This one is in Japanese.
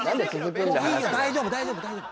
大丈夫大丈夫